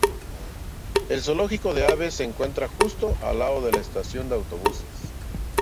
El zoológico de aves se encuentra justo al lado de la estación de autobuses.